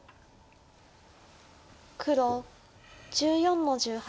黒１４の十八。